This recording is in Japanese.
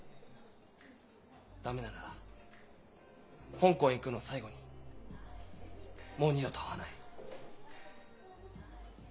駄目なら香港へ行くのを最後にもう二度と会わない。